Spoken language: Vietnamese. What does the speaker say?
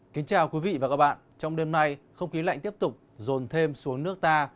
kính chào quý vị và các bạn trong đêm nay không khí lạnh tiếp tục rồn thêm xuống nước ta